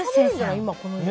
今この時期。